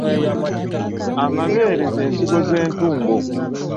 Amabere z’ensigo z’entungo.